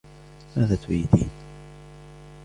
ماذا تريدين؟